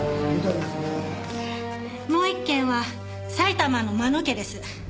もう一軒は埼玉の真野家です。